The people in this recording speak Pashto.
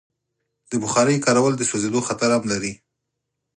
د بخارۍ کارول د سوځېدو خطر هم لري.